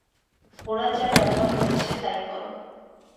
ওরা যা ব্যবহার করেছে তাই করো।